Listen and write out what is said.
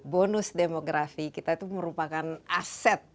bonus demografi kita itu merupakan aset